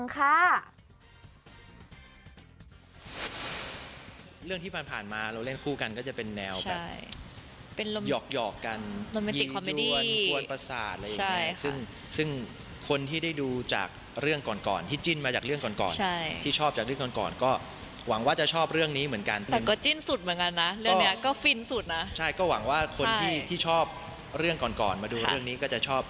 คนที่ชอบเรื่องก่อนมาดูเรื่องนี้ก็จะชอบอีกแนวหนึ่งของผู้เรา